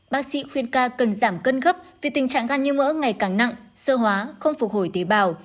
bác sĩ khuyên ca cần giảm cân gấp vì tình trạng gan như mỡ ngày càng nặng sơ hóa không phục hồi tế bào